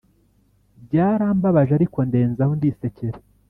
Byarambabaje ariko ndenzaho ndisekera